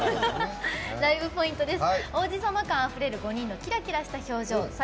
ライブポイントです。